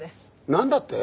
何だって？